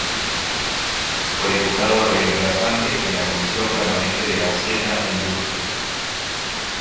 Fue Diputado reemplazante en la Comisión Permanente de Hacienda e Industria.